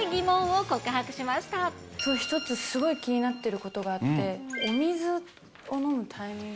１つすごい気になってることがあって、分かる、分かる。